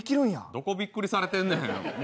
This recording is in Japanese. どこびっくりされてんねん。